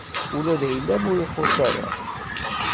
Ula d ayla-m ur ixuṣṣ ara.